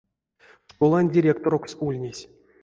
Школань директорокс ульнесь.